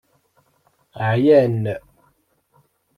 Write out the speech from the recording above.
Ɛyan.